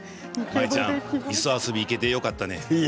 舞ちゃん磯遊び行けてよかったね。